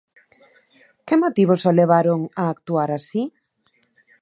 Que motivos o levaron a actuar así?